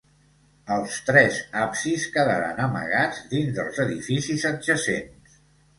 Els tres absis quedaren amagats dins dels edificis adjacents.